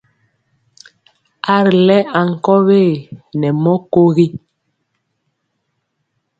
A ri lɛŋ ankɔwe nɛ mɔ kogi.